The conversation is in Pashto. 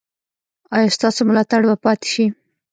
ایا ستاسو ملاتړ به پاتې شي؟